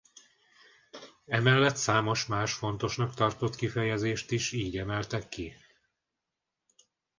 Emellett számos más fontosnak tartott kifejezést is így emeltek ki.